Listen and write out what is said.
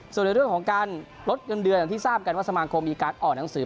ส่วนในเรื่องของการลดเงินเดือนอย่างที่ทราบกันว่าสมาคมมีการออกหนังสือ